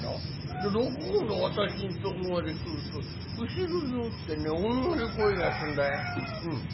で六郷の渡しんとこまで来ると後ろでもってね女の声がすんだよ。